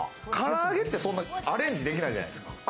唐揚げってそんなアレンジできないじゃないですか。